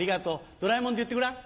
ドラえもんで言ってごらん。